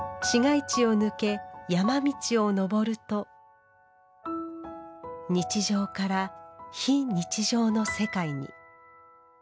市街地を抜け山道を登ると日常から非日常の世界に。